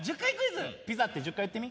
「ピザ」って１０回言ってみ。